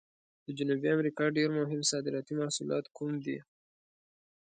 د جنوبي امریکا ډېر مهم صادراتي محصولات کوم دي؟